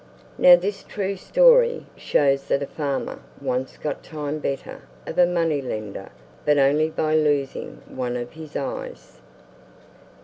Now this true story shows that a farmer once got time better of a money lender but only by losing one of his eyes.